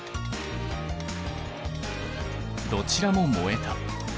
どちらも燃えた。